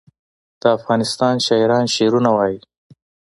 د افغانستان شاعران شعرونه وايي